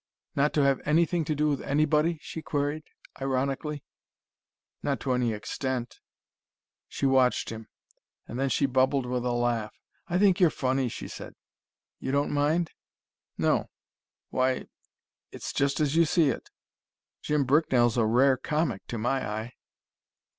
"Not to have anything to do with anybody?" she queried ironically. "Not to any extent." She watched him and then she bubbled with a laugh. "I think you're funny," she said. "You don't mind?" "No why It's just as you see it. Jim Bricknell's a rare comic, to my eye."